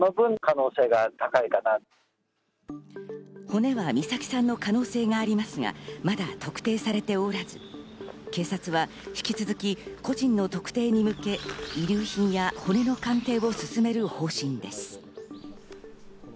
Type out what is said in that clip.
骨は美咲さんの可能性がありますが、また特定はされておらず、警察は引き続き個人の特定に向け、遺留品や骨の鑑定を進める方針です。